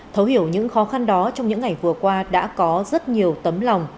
thấu hiểu những khó khăn đó trong những ngày vừa qua đã có rất nhiều tấm lòng